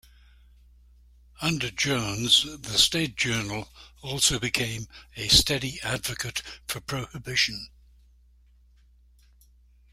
Under Jones the "State Journal" also became a steady advocate for Prohibition.